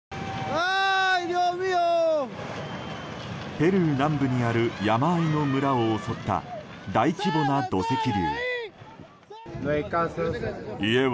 ペルー南部にある山あいの村を襲った大規模な土石流。